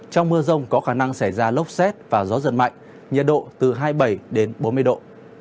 trong mưa rông có khả năng xảy ra lốc xét và gió giật mạnh nhiệt độ từ hai mươi bảy đến bốn mươi độ